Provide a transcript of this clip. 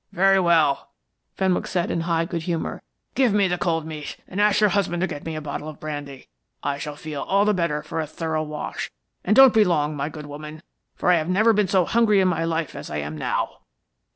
"Very well," Fenwick said in high good humor. "Give me the cold meat, and ask your husband to get me a bottle of brandy. I shall feel all the better for a thorough wash, and don't be long, my good woman, for I have never been so hungry in my life as I am now."